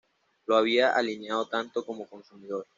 lo había alienado tanto como consumidor